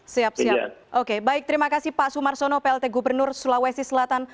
siap siap oke baik terima kasih pak sumarsono plt gubernur sulawesi selatan